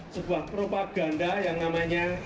sebuah propaganda yang namanya